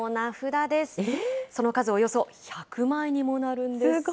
その数およそ１００枚にもなるんです。